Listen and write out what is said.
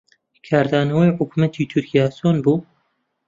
کاردانەوەی حکوومەتی تورکیا چۆن بوو؟